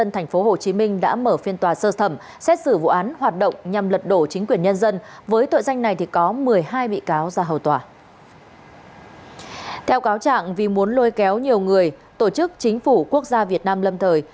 theo cáo trạng vì muốn lôi kéo nhiều người tổ chức chính phủ quốc gia việt nam lâm thời